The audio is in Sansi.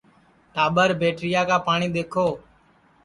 ٹاٻر بیٹریا کا پاٹؔی دؔیکھو